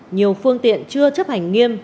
nhiều phương tiện chưa chấp hành nghiêm